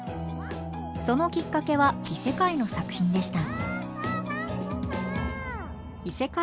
そのきっかけは異世界の作品でした。